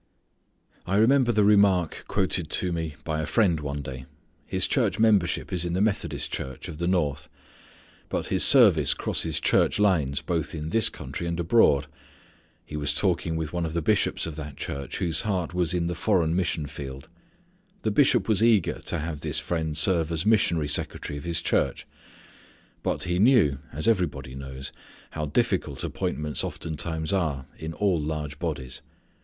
I remember the remark quoted to me by a friend one day. His church membership is in the Methodist Church of the North, but his service crosses church lines both in this country and abroad. He was talking with one of the bishops of that church whose heart was in the foreign mission field. The bishop was eager to have this friend serve as missionary secretary of his church. But he knew, as everybody knows, how difficult appointments oftentimes are in all large bodies.